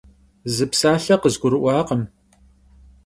Zı psalhe khızgurı'uakhım.